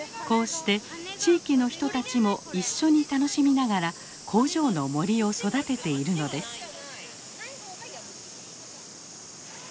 こうして地域の人たちも一緒に楽しみながら工場の森を育てているのです。